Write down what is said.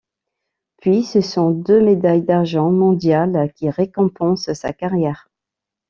Puis, ce sont deux médailles d'argent, mondiales, qui récompensent sa carrière.